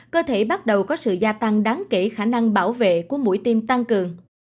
cơ thể bắt đầu có sự gia tăng đáng kể khả năng bảo vệ của mũi tiêm tăng cường